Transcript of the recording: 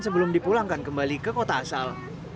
sebelum dipulangkan kembali ke kota asal